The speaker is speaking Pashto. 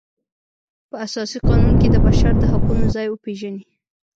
په اساسي قانون کې د بشر د حقونو ځای وپیژني.